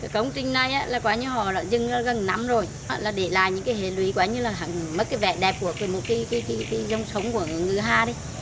công trình này là quá như họ dừng gần năm rồi là để lại những cái hệ lý quá như là mất cái vẹn đẹp của một cái dông sống của ngựa hà đi